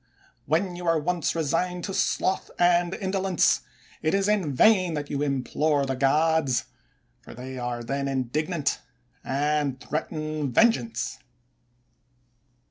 When you are once resigned to sloth and indolence, it is in vain that you implore the gods ; for they are then indignant and threaten vengeance.